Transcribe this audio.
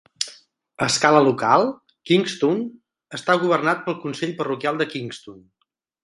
A escala local, Kingston està governat pel consell parroquial de Kingston.